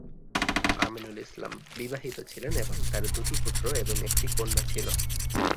আমিনুল ইসলাম বিবাহিত ছিলেন এবং তার দুটি পুত্র এবং একটি কন্যা ছিল।